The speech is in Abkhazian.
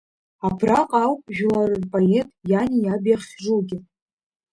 Абраҟа ауп жәлар рпоет иани иаби ахьжугьы.